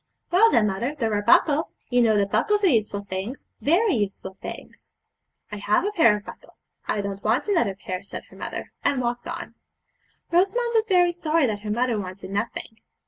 'Well, then, mother, there are buckles; you know that buckles are useful things, very useful things.' 'I have a pair of buckles; I don't want another pair,' said her mother, and walked on. Rosamond was very sorry that her mother wanted nothing.